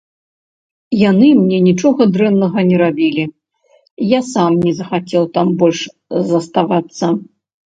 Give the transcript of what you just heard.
Яны мне нічога дрэннага не рабілі, я сам не захацеў там больш заставацца.